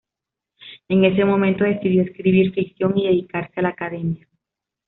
En ese momento decidió escribir ficción y dedicarse a la academia.